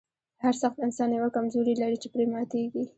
هر سخت انسان یوه کمزوري لري چې پرې ماتیږي